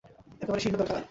একেবারে শীর্ণ তাঁর কায়া।